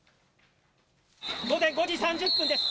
午前５時３０分です。